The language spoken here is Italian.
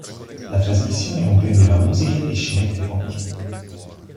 La trasmissione comprendeva musiche e scenette comiche.